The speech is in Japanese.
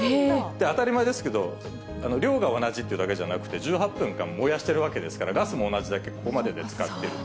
当たり前ですけど、量が同じってだけじゃなくて、１８分間燃やしてるわけですから、ガスも同じだけ、ここまでで使ってると。